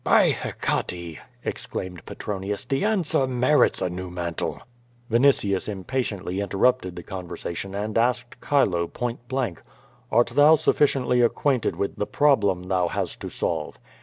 *'By Hecate!" exclaimed Petronius, *'the answer merits a new mantle." Vinitius impatiently interrupted the conversation and asked Chilo point blank: '^Art thou sufficiently acquaint with the problem thou hast to solve?"